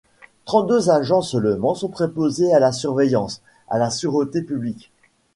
Trente-deux agents seulement sont préposés à la surveillance, à la sûreté publique.